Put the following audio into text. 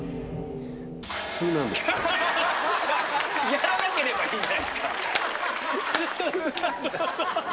やらなければいいじゃないですか。